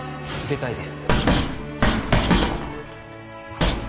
出たいです。